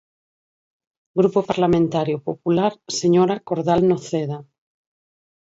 Grupo Parlamentario Popular, señora Cordal Noceda.